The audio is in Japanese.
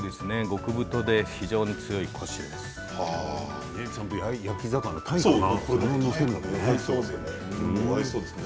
極太で非常にコシが強いです。